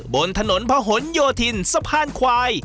บนถนนพะหนโยธินสะพานควาย